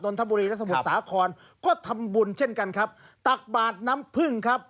แล้วก็ทำบุญเช่นกันครับตักบาดน้ำผึ้งครับ